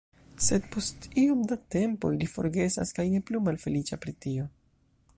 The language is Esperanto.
Sed post iom da tempo, ili forgesas kaj ne plu malfeliĉa pri tio.